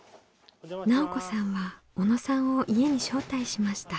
奈緒子さんは小野さんを家に招待しました。